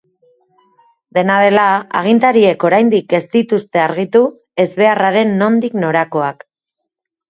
Dena dela, agintariek oraindik ez dituzte argitu ezbeharraren nondik norakoak.